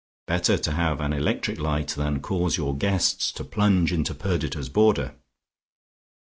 Better to have an electric light than cause your guests to plunge into Perdita's border.